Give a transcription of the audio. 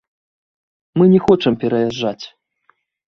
Мы не хочам пераязджаць.